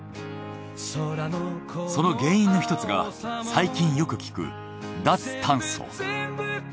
その原因の一つが最近よく聞く脱炭素。